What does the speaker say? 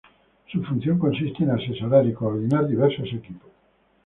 Su función consiste en asesorar y coordinar diversos equipos.